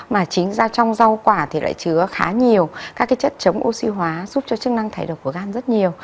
mà chính ra trong rau quả thì lại chứa khá nhiều các cái chất chống oxy hóa giúp cho chức năng thay độc của gan rất nhiều